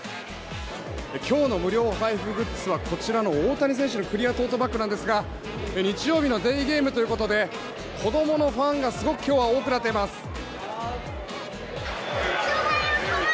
今日の無料配布グッズはこちらの大谷選手のクリアトートバッグなんですが日曜日のデーゲームということで子供のファンがすごく今日は多くなっています。